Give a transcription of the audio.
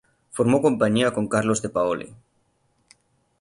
Formó compañía con Carlos de Paoli.